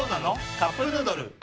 「カップヌードル」